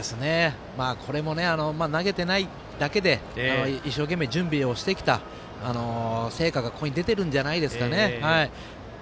これも投げてないだけで一生懸命、準備をしてきた成果が、ここに出てるんじゃないですかね。